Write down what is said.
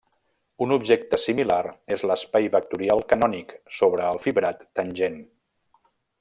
Un objecte similar és l'espai vectorial canònic sobre el fibrat tangent.